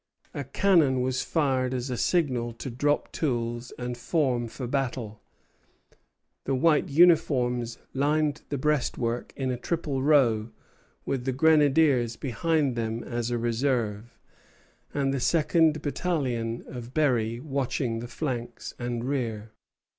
A cannon was fired as a signal to drop tools and form for battle. The white uniforms lined the breastwork in a triple row, with the grenadiers behind them as a reserve, and the second battalion of Berry watching the flanks and rear.